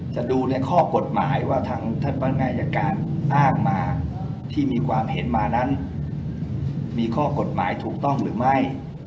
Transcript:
จะดูในข้อกฎหมายว่าทางท่านพนักงานอายการอ้างมาที่มีความเห็นมานั้นมีข้อกฎหมายถูกต้องหรือไม่